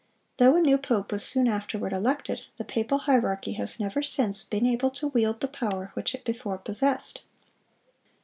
Though a new pope was soon afterward elected, the papal hierarchy has never since been able to wield the power which it before possessed.